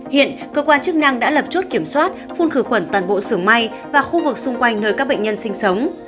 hiện cơ quan chức năng đã lập chuốt kiểm soát phun khử khuẩn toàn bộ xưởng may và khu vực xung quanh nơi các bệnh nhân sinh sống